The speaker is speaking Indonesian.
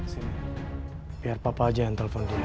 sini biar papa saja yang telepon dia